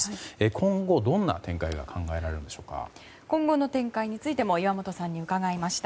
今後、どんな展開が今後の展開についても伺いました。